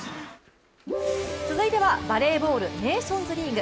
続いてはバレーボールネーションズリーグ。